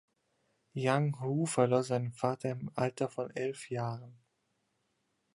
Yang Hu verlor seinen Vater im Alter von elf Jahren.